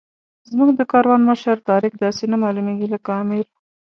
زموږ د کاروان مشر طارق داسې نه معلومېږي لکه امیر.